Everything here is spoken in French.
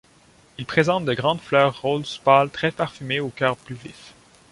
Il présente de grandes fleurs rose pâle très parfumées, au cœur plus vif.